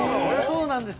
そうなんです。